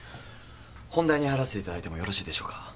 本題に入らせていただいてもよろしいでしょうか？